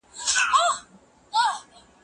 د پوهنتون شورا نوې پرېکړه وکړه.